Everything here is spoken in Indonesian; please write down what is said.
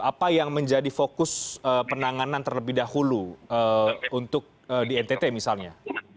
apa yang menjadi fokus penanganan terlebih dahulu untuk di ntt misalnya